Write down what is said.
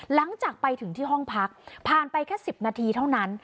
หลังจากไปถึงที่ห้องพักผ่านไปแค่๑๐นาทีเท่านั้น